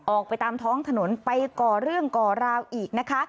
ออกไปตามท้องถนนไปก่อเรื่องก่อราวอีกนะคะ